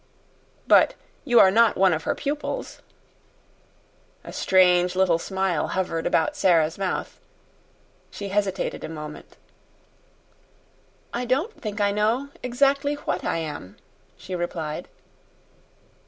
"But you are not one of her pupils?" A strange little smile hovered about Sara's mouth. She hesitated a moment. "I don't think I know exactly WHAT I am," she replied.